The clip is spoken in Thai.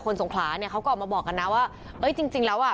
สงขลาเนี่ยเขาก็ออกมาบอกกันนะว่าเอ้ยจริงจริงแล้วอ่ะ